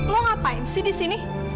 lo ngapain sih di sini